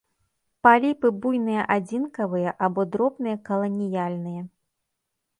Паліпы буйныя адзінкавыя або дробныя каланіяльныя.